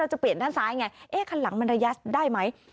จะเปลี่ยนด้านซ้ายไงเอ๊ะคันหลังมันระยะได้ไหม